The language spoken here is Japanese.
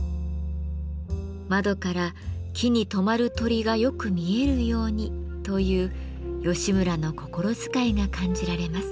「窓から木に止まる鳥がよく見えるように」という吉村の心遣いが感じられます。